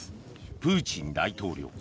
プーチン大統領。